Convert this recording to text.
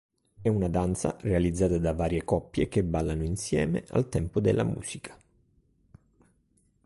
È una danza realizzata da varie coppie che ballano insieme al tempo della musica.